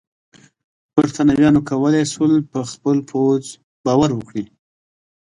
برېټانویانو کولای شول پر خپل پوځ باور وکړي.